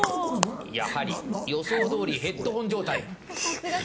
やはり、予想どおりヘッドホン状態。